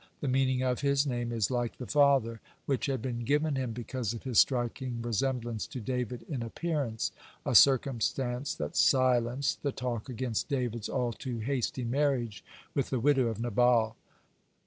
The meaning of his name is "like the father," which had been given him because of his striking resemblance to David in appearance, a circumstance that silenced the talk against David's all too hasty marriage with the widow of Nabal.